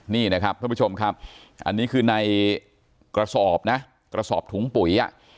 นี่นะครับท่านผู้ชมครับอันนี้คือในกระสอบนะกระสอบถุงปุ๋ยอ่ะ